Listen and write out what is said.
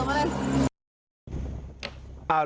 กำกันด้วย